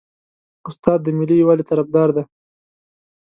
استاد د ملي یووالي طرفدار دی.